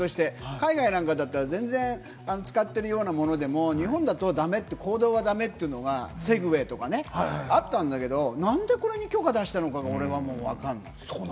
海外だったら、全然、使ってるようなものでも日本だとだめって行動はだめっていうのはセグウェイとかね、あったんだけど、なんでこれに許可出したのかわからない。